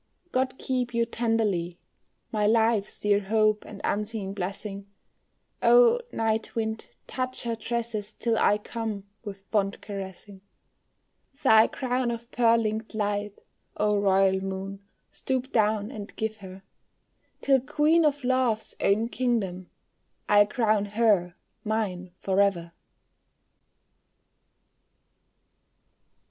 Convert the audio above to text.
God keep you tenderly, my life's dear hope and unseen blessing; Oh, night wind, touch her tresses till I come with fond caressing, Thy crown of pearl linked light, oh, royal moon stoop down and give her, Till queen of love's own kingdom, I crown her mine forever.